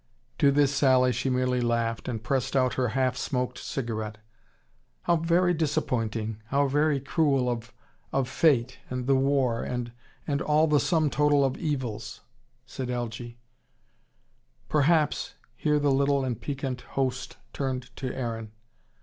To this sally she merely laughed, and pressed out her half smoked cigarette. "How very disappointing! How very cruel of of fate and the war and and all the sum total of evils," said Algy. "Perhaps " here the little and piquant host turned to Aaron.